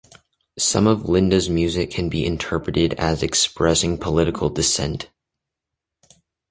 Some of Linda's music can be interpreted as expressing political dissent.